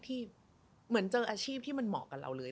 เหมือนเจออาชีพที่มันเหมาะกับเราเลย